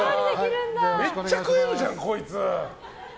めっちゃ食えるじゃんこいつ！